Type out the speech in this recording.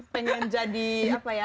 pengen jadi apa ya